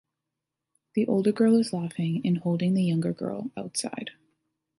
The older girl is laughing and holding the younger girl outside.